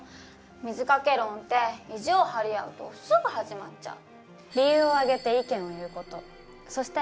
水掛け論って意地を張り合うとすぐ始まっちゃう。